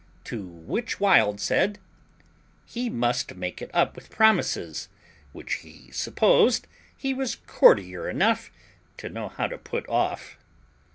To which Wild said, "He must make it up with promises, which he supposed he was courtier enough to know how to put off."